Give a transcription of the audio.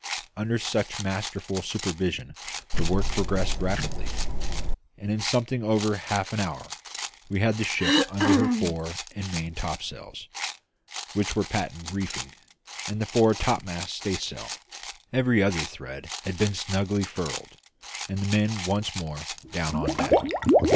Under such masterful supervision the work progressed rapidly, and in something over half an hour we had the ship under her fore and main topsails (which were patent reefing) and the fore topmast staysail; every other thread being snugly furled, and the men once more down on deck.